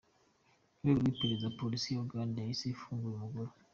Mu rwego rw’iperereza, Polisi ya Uganda yahise ifunga uyu mugore.